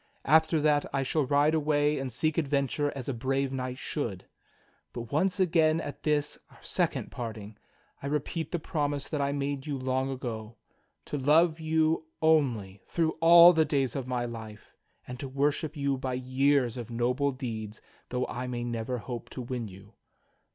After that I shall ride away and seek adventure as a brave knight should. But once again at this, our second parting, I repeat the promise that I made you long ago — to love you only through all the days of my life, and to worship you by years of noble deeds though I may never hope to win you.